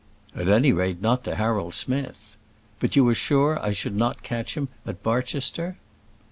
"At any rate, not to Harold Smith. But you are sure I should not catch him at Barchester?"